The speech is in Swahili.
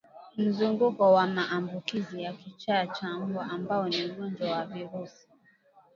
mzunguko wa maambukizi ya kichaa cha mbwa ambao ni ugonjwa wa virusi